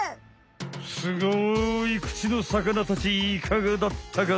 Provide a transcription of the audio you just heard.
すごい口のさかなたちいかがだったかな？